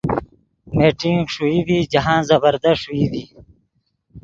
میٹنگ ݰوئی ڤی جاہند زبردست ݰوئی ڤی۔